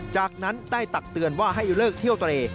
จากนั้นได้ตักเตือนว่าให้เลิกเที่ยวเตร